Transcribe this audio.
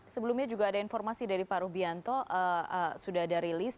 sebelumnya juga ada informasi dari pak rubianto sudah ada rilis